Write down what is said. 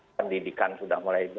pendidikan sudah mulai